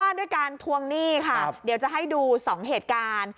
ด้วยการทวงหนี้ค่ะเดี๋ยวจะให้ดูสองเหตุการณ์